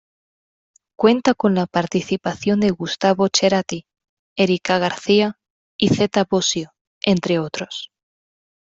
Cuenta con la participación de Gustavo Cerati, Erica García y Zeta Bosio, entre otros.